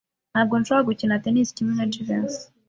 Ntabwo nshobora gukina tennis kimwe na Jivency.